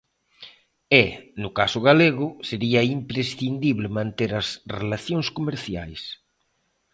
E, no caso galego, sería imprescindible manter as relacións comerciais.